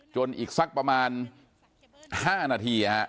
อีกสักประมาณ๕นาที